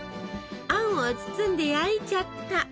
あんを包んで焼いちゃった。